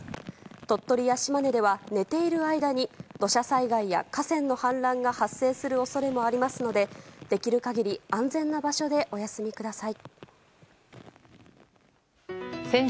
鳥取や島根では寝ている間に土砂災害や河川の氾濫が発生する恐れもありますのでできる限り安全な場所でお休みください。